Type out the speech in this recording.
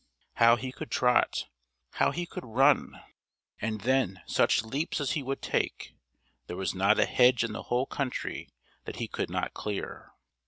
How he could trot! how he could run! and then such leaps as he would take there was not a hedge in the whole country that he could not clear.